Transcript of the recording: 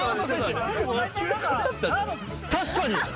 確かに！